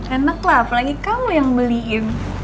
enak lah apalagi kamu yang beliin